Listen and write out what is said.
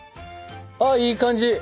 あいい感じ！